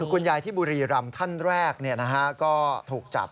คุณยายที่บุรีรำท่านแรกก็ถูกจับ